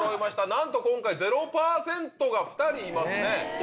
なんと今回０％が２人いますね。